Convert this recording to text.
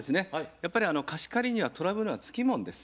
やっぱり貸し借りにはトラブルはつきもんです。